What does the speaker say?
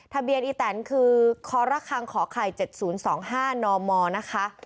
ทะเบียนอีแตนคือขอรักษ์คางขอไข่เจ็ดศูนย์สองห้านอมมอลนะคะ